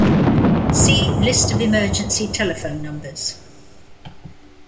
See List of emergency telephone numbers.